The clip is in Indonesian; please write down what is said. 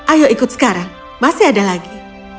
ayo ikut sekarang masih ada lagi